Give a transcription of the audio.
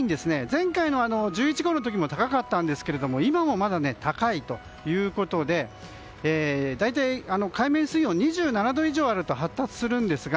前回の１１号の時も高かったんですが今もまだ高いということで大体、海面水温２７度以上あると発達するんですが